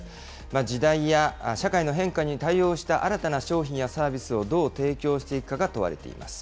時代や社会の変化に対応した新たな商品やサービスをどう提供していくかが問われています。